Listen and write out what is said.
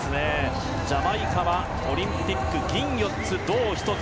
ジャマイカはオリンピック銀３つ、銅１つ。